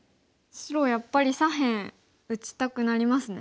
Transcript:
白はやっぱり左辺打ちたくなりますね。